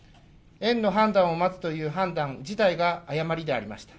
園の判断を待つという判断自体が誤りでありました。